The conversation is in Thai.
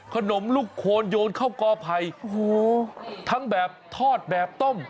ขนมลูกโคนโยนข้าวกอไพรทั้งแบบทอดแบบต้ม